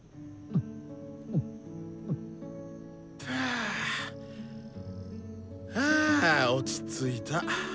はぁ！は落ち着いた。